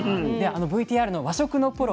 ＶＴＲの和食のプロ